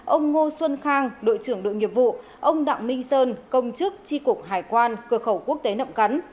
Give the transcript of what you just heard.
ông ngô xuân khang đội trưởng đội nghiệp vụ ông đặng minh sơn công chức tri cục hải quan cửa khẩu quốc tế nậm cắn